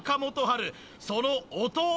春その弟